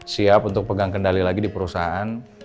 siap untuk pegang kendali lagi di perusahaan